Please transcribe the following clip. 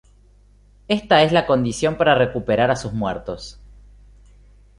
Esta es la condición para recuperar a sus muertos.